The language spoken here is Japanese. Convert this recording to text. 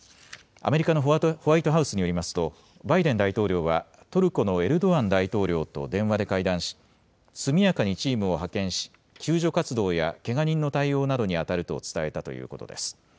アメリカのホワイトハウスによりますとバイデン大統領はトルコのエルドアン大統領と電話で会談し速やかにチームを派遣し救助活動やけが人の対応などにあたると伝えたということです。